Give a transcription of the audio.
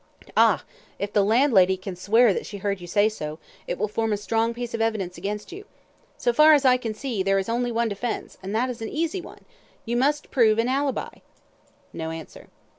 "Ah! if the landlady can swear that she heard you say so, it will form a strong piece of evidence against you. So far as I can see, there is only one defence, and that is an easy one you must prove an ALIBI." No answer.